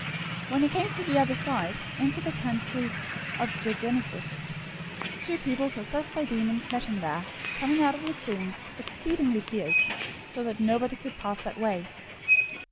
008:028 When he came to the other side, into the country of the Gergesenes,{NU reads "Gadarenes"} two people possessed by demons met him there, coming out of the tombs, exceedingly fierce, so that nobody could pass that way.